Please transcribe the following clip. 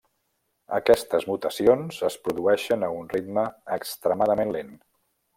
Aquestes mutacions es produeixen a un ritme extremadament lent.